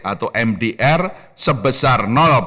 atau mdr sebesar